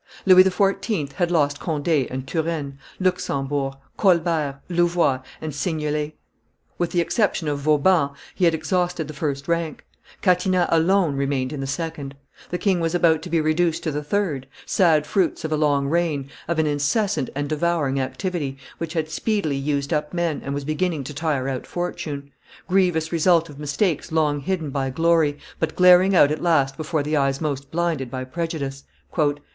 Louis XIV. had lost Conde and Turenne, Luxembourg, Colbert, Louvois, and Seignelay; with the exception of Vauban, he had exhausted the first rank; Catinat alone remained in the second; the king was about to be reduced to the third: sad fruits of a long reign, of an incessant and devouring activity, which had speedily used up men and was beginning to tire out fortune; grievous result of mistakes long hidden by glory, but glaring out at last before the eyes most blinded by prejudice!